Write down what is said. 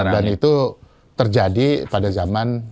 dan itu terjadi pada zaman